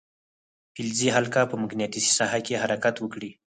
فلزي حلقه په مقناطیسي ساحه کې حرکت وکړي.